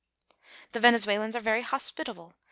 The Venezuelans are very hospitable.